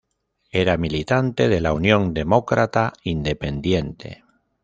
Era militante de la Unión Demócrata Independiente.